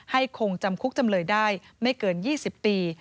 คงจำคุกจำเลยได้ไม่เกิน๒๐ปี